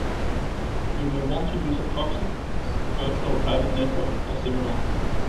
you may want to use a proxy, virtual private network or similar